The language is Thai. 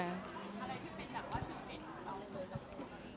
อะไรที่เป็นแบบว่าจุดเด็ดหรือเปล่า